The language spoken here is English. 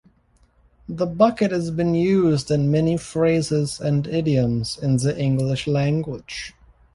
The bucket has been used in many phrases and idioms in the English language.